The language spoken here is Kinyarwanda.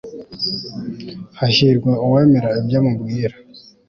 hahirwa uwemera ibyo mubwira